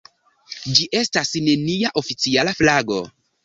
Ĝi estas nenia oficiala flago.